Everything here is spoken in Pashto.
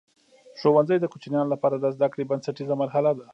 ښوونځی د کوچنیانو لپاره د زده کړې بنسټیزه مرحله ده.